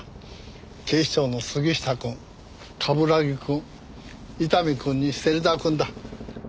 警視庁の杉下くん冠城くん伊丹くんに芹沢くんだ。